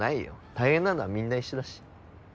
大変なのはみんな一緒だし。